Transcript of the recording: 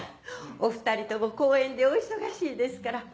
お２人とも公演でお忙しいですから。